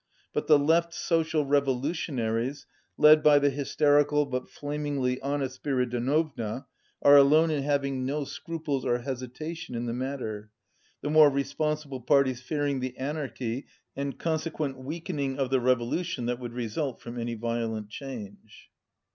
But the Left Social Revolu tionaries, led by the hysterical but flamingly hon est Spiridonova, are alone in having no scruples or hesitation in the matter, the more responsible parties fearing the anarchy and consequent weak 196 cning of the revolution that would result from any violent change.